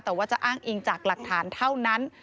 แต่ว่าจะอ้างอิงจากหลักฐานเท่านั้น